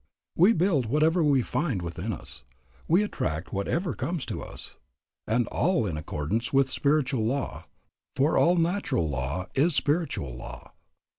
We build whatever we find within us; we attract whatever comes to us, and all in accordance with spiritual law, for all natural law is spiritual law.